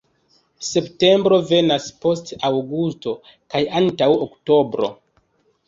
Septembro venas post aŭgusto kaj antaŭ oktobro.